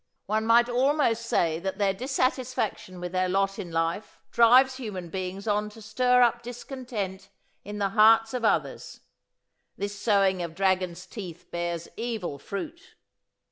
One might almost say that their dissatisfaction with their lot in life drives human beings on to stir up discontent in the hearts of others. This sowing of dragon's teeth bears evil fruit.